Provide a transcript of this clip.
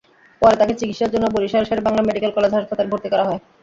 পরে তাঁকে চিকিৎসার জন্য বরিশাল শেরেবাংলা মেডিকেল কলেজ হাসপাতালে ভর্তি করা হয়।